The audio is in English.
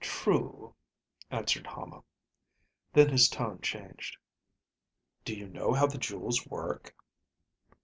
"True," answered Hama. Then his tone changed. "Do you know how the jewels work?"